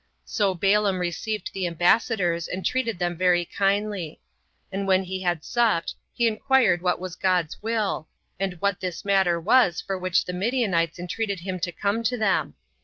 So Balaam received the ambassadors, and treated them very kindly; and when he had supped, he inquired what was God's will, and what this matter was for which the Midianites entreated him to come to them.